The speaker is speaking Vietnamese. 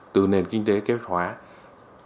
từ nền kinh tế kế hoạch